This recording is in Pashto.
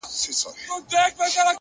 o خاوري دي ژوند سه. دا دی ارمان دی.